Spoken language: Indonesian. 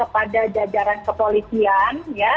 pada jajaran kepolisian